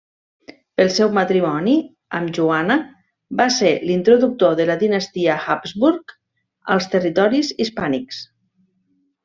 Pel seu matrimoni amb Joana va ser l'introductor de la dinastia Habsburg als territoris hispànics.